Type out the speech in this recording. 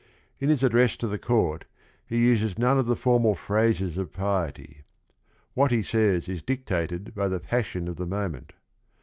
In his address to the court he uses none of the formal phrases of piety. What he says is dictated by the passion of the moment.